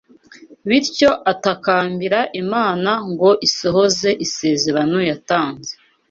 bityo atakambira Imana ngo isohoze isezerano yatanze